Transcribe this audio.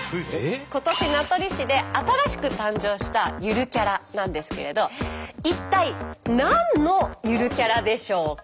今年名取市で新しく誕生したゆるキャラなんですけれど一体何のゆるキャラでしょうか？